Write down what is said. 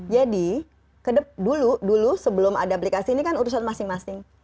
jadi dulu sebelum ada aplikasi ini kan urusan masing masing